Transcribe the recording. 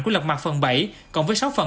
của lật mặt phần bảy cộng với sáu phần